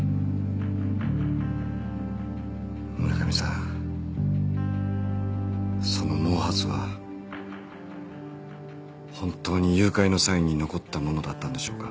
村上さんその毛髪は本当に誘拐の際に残ったものだったんでしょうか？